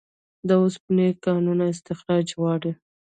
د اوسپنې کانونه استخراج غواړي